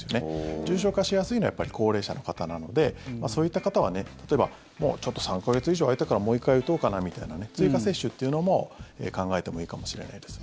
重症化しやすいのはやっぱり高齢者の方なのでそういった方は例えば３か月以上空いたからもう１回打とうかなみたいな追加接種というのも考えてもいいかもしれないですね。